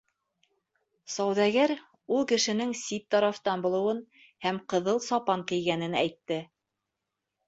Сауҙагәр ул кешенең сит тарафтан булыуын һәм ҡыҙыл сапан кейгәнен әйтте.